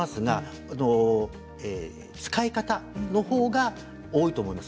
使い方のほうが多いと思います。